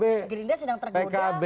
gerindra sedang tergoda